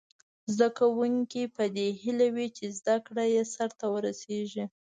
زده کوونکي په دې هیله وي چې زده کړه یې سرته ورسیږي.